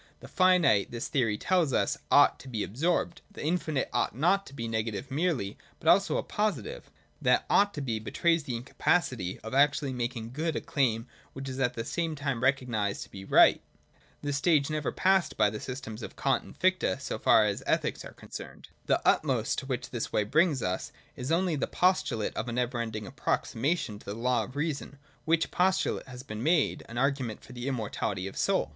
The finite, this theory tells us, ought to be absorbed ; the infinite ought not to be a negative merely, but also a positive. That ' ought to be ' betrays the incapacity of actually making good a claim which is at the same time recognised to be right. This stage was never passed by the systems of Kant and Fichte, so far as ethics are concerned. The utmost to which this way brings us is only the postulate of a never ending approximation to the law of Reason : which postulate has been made an argument for the immortality of the soul.